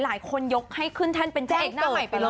หลายคนยกให้ขึ้นท่านเป็นแจกหน้าใหม่ไปแล้วนะ